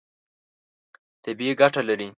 طبیعي ګټه لري.